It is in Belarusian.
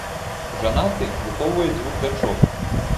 Жанаты, выхоўвае дзвюх дачок.